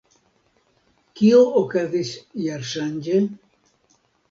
Kio okazis jarŝanĝe?